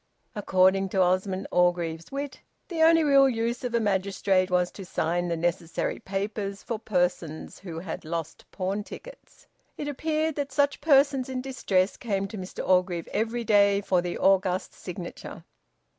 According to Osmond Orgreave's wit, the only real use of a magistrate was to sign the necessary papers for persons who had lost pawn tickets. It appeared that such persons in distress came to Mr Orgreave every day for the august signature.